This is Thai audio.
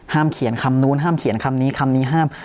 เขียนคำนู้นห้ามเขียนคำนี้คำนี้ห้าม